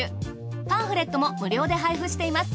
パンフレットも無料で配布しています。